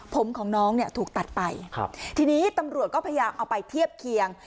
ผมของน้องเนี่ยถูกตัดไปครับทีนี้ตำรวจก็พยายามเอาไปเทียบเคียง